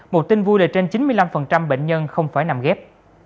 một tin vui là trên chín mươi năm bệnh nhân không phải nằm ghép